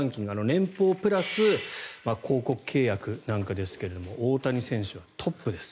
年俸プラス広告契約なんかですが大谷選手はトップです。